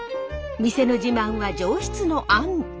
店の自慢は上質のあんこ。